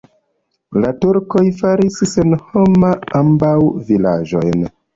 La turkoj faris senhoma ambaŭ vilaĝojn.